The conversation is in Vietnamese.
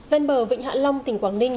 vên bờ vịnh hạ long tỉnh quảng ninh